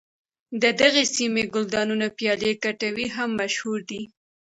د دغې سیمې ګلدانونه پیالې کټوۍ هم مشهور دي.